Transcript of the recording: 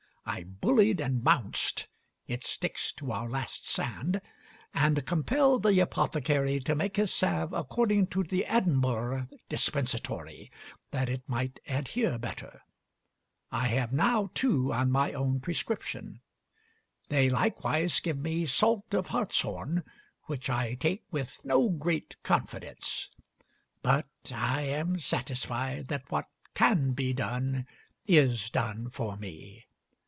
I bullied and bounced (it sticks to our last sand), and compelled the apothecary to make his salve according to the Edinburgh dispensatory, that it might adhere better. I have now two on my own prescription. They likewise give me salt of hartshorn, which I take with no great confidence; but I am satisfied that what can be done is done for me.